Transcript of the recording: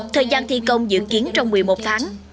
thời gian thi công dự kiến trong một mươi một tháng